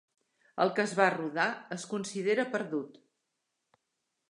El que es va rodar es considera perdut.